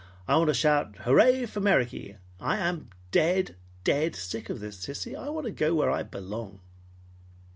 I want to hooray for 'Mericky.' I am dead, dead sick of this, sissy. I want to go where I belong."